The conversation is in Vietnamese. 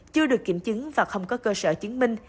chưa được kiểm chứng và không có cơ sở chứng minh